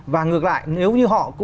và ngược lại nếu như họ